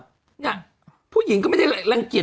พวกผู้หญิงก็ไม่ได้แรงเกีรตย์